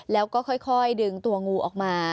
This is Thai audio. แล้วก็ค่อยดึงตัวงูออกมา